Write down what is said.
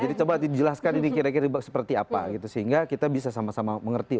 jadi coba dijelaskan ini kira kira seperti apa gitu sehingga kita bisa sama sama mengerti